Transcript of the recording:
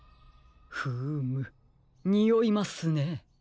フームにおいますね。